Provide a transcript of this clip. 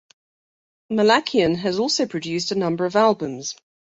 Malakian has also produced a number of albums.